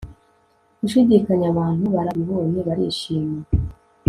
gushidikanya. abantu barabibonye barishima